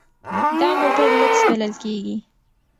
دا موټر لوکس بلل کیږي.